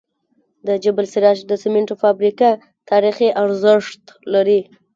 د جبل السراج د سمنټو فابریکه تاریخي ارزښت لري.